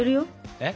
えっ？